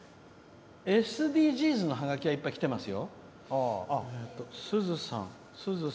ＳＤＧｓのハガキはいっぱいきてますよ。